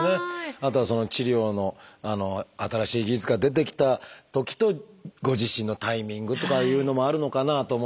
あとは治療の新しい技術が出てきたときとご自身のタイミングとかいうのもあるのかなと思ったりもしますが。